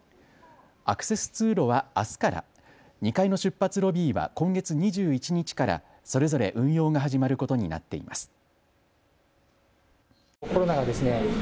アクセス通路はあすから、２階の出発ロビーは今月２１日からそれぞれ運用が始まることになっています。